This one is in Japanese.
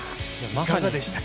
いかがでしたか？